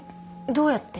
どうやって？